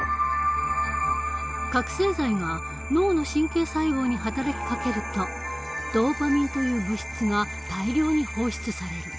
覚醒剤が脳の神経細胞に働きかけるとドーパミンという物質が大量に放出される。